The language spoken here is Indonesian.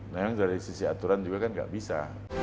memang dari sisi aturan juga kan nggak bisa